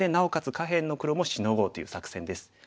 下辺の黒もシノごうという作戦です。